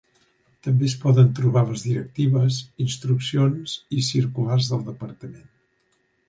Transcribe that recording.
També es poden trobar les directives, instruccions i circulars del Departament.